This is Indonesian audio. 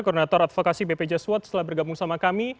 koordinator advokasi bpjs swot setelah bergabung sama kami